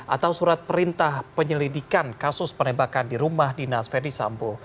atau surat perintah penyelidikan kasus penembakan di rumah dinas verdi sambo